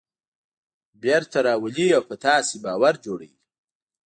بېرته راولي او په تاسې یې باور جوړوي.